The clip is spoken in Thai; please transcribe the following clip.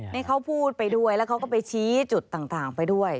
นี่เขาพูดไปด้วยแล้วเขาก็ไปชี้จุดต่างไปด้วย